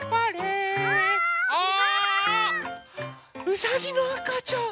うさぎのあかちゃん！